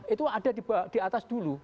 itu ada di atas dulu